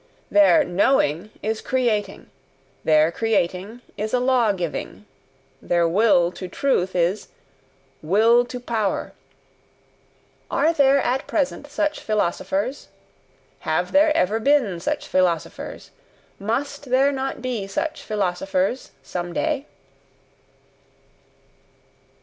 Their "knowing" is CREATING, their creating is a law giving, their will to truth is WILL TO POWER. Are there at present such philosophers? Have there ever been such philosophers? MUST there not be such philosophers some day?